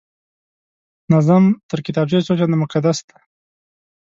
نظم تر کتابچې څو چنده مقدسه دی